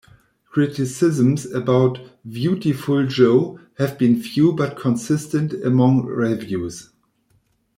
Criticisms about "Viewtiful Joe" have been few but consistent among reviews.